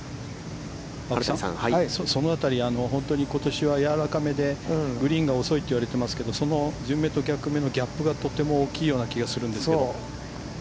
その辺り、本当にことしはやわらかめで、グリーンが遅いって言われてますけど、その順目と逆目のギャップがとても大きいような気がするんですけど。